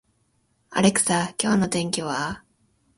アレクサ、今日の天気は